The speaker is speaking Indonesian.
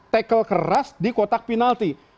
tackle keras di kotak penalti